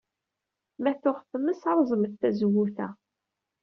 Ma tuɣ tmes, rẓemt tazewwut-a.